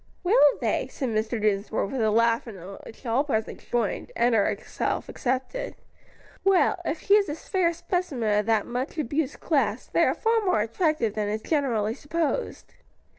"Will they?" said Mr. Dinsmore, with a laugh in which all present joined, Enna herself excepted; "well, if she is a fair specimen of that much abused class, they are far more attractive than is generally supposed."